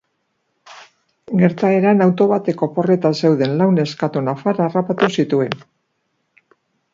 Gertaeran, auto batek oporretan zeuden lau neskato nafar harrapatu zituen.